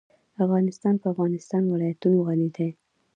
افغانستان په د افغانستان ولايتونه غني دی.